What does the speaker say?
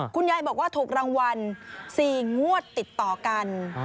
คุณยายบอกว่าถูกรางวัล๔งวดติดต่อกัน